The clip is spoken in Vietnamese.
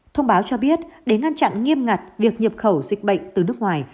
thông báo cho biết để ngăn chặn nghiêm ngặt việc nhập khẩu dịch bệnh từ nước ngoài